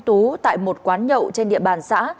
tú tại một quán nhậu trên địa bàn xã